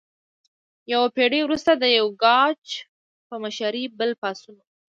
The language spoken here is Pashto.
یوه پیړۍ وروسته د یوګاچف په مشرۍ بل پاڅون وشو.